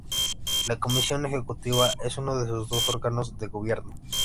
La comisión ejecutiva es uno de sus dos órganos de gobierno.